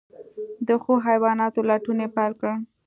د ښو حیواناتو لټون یې پیل کړ.